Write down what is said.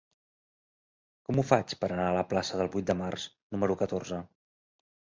Com ho faig per anar a la plaça del Vuit de Març número catorze?